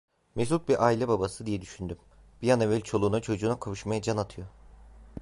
Mesut bir aile babası, diye düşündüm, bir an evvel çoluğuna, çocuğuna kavuşmaya can atıyor.